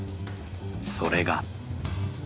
それが。